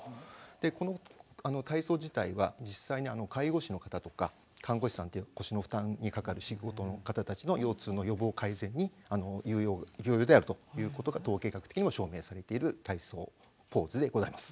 でこの体操自体は実際に介護士の方とか看護師さんという腰に負担のかかる仕事の方たちの腰痛の予防改善に有用であるということが統計学的にも証明されている体操ポーズでございます。